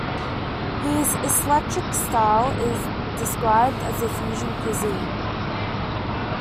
His eclectic style is described as fusion cuisine.